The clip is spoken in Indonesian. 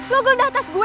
lo guldah tas gue ya